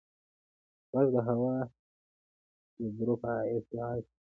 غږ د هوا د ذرّو په ارتعاش خپرېږي.